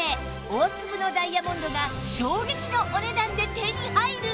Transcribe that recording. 大粒のダイヤモンドが衝撃のお値段で手に入る！